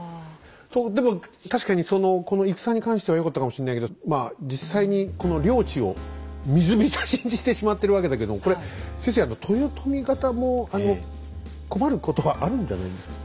でも確かにこの戦に関してはよかったかもしんないけどまあ実際にこの領地を水浸しにしてしまってるわけだけどこれ先生豊臣方も困ることはあるんじゃないですか？